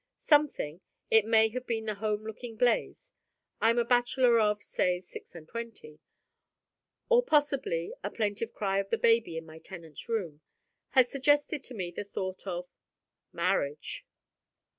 Something it may have been the home looking blaze (I am a bachelor of, say, six and twenty), or possibly a plaintive cry of the baby in my tenant's room, had suggested to me the thought of marriage.